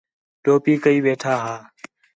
ٹوپی کَئی ویٹھا ہا